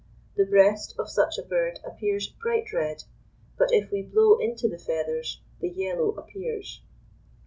The breast of such a bird appears bright red, but if we blow into the feathers the yellow appears.